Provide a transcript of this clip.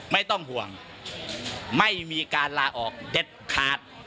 ไม่ต้องห่วงไม่มีการลาออกเด็ดขาด